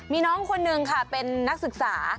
มีน้องคนนึงค่ะเป็นนักศึกษา